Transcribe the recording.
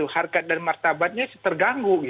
harkat dan martabatnya terganggu